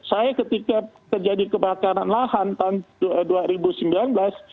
saya ketika terjadi kebakaran lahan tahun dua ribu sembilan belas